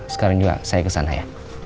sekarang juga saya kesana ya